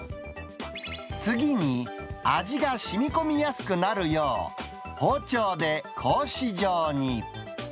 次に、味がしみこみやすくなるよう、包丁で格子状に。